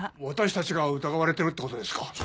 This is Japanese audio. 私たちが疑われてるって事ですか？